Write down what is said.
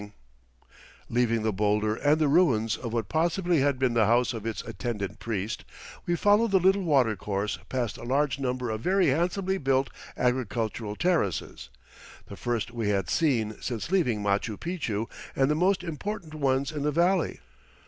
FIGURE Northeast Face of Yurak Rumi Leaving the boulder and the ruins of what possibly had been the house of its attendant priest, we followed the little water course past a large number of very handsomely built agricultural terraces, the first we had seen since leaving Machu Picchu and the most important ones in the valley.